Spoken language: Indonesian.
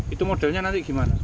itu modelnya nanti gimana